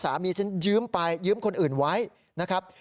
ฉันยืมไปยืมคนอื่นไว้นะครับ